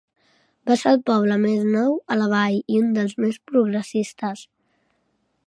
Va ser el poble més nou a la vall i un dels més progressistes.